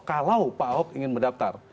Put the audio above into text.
kalau pak ahok ingin mendaftar